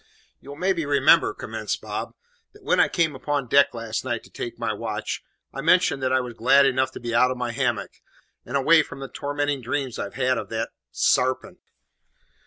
"You'll maybe remember," commenced Bob, "that when I came upon deck last night to take my watch, I mentioned that I was glad enough to be out of my hammock, and away from the tormentin' dreams I'd had of that sarpent!